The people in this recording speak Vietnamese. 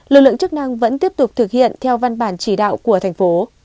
lực lượng chức năng vẫn tiếp tục thực hiện theo văn bản chỉ đạo của thành phố